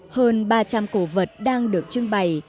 hơn ba trăm linh cổ vật đang được trưng bày